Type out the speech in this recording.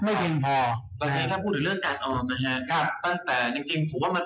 เรื่องของการออมนะฮะ